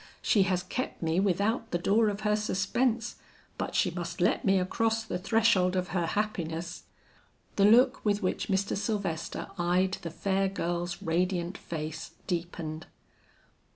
She has kept me without the door of her suspense, but she must let me across the threshold of her happiness." The look with which Mr. Sylvester eyed the fair girl's radiant face deepened.